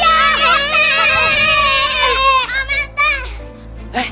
demok administrasinya jadi seneng